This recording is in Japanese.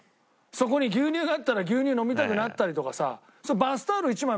そこに牛乳があったら牛乳飲みたくなったりとかさ。